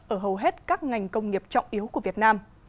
ở hầu hết các ngành công nghiệp trọng yếu của việt nam